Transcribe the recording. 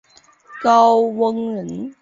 高翥人。